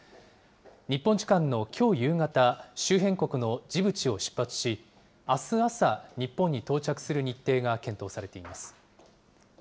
日本時間のきょう夕方、周辺国のジブチを出発し、あす朝、日本に到着する日程が検討されています。